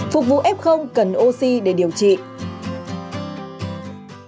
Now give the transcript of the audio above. phục vụ f cần oxy để điều trị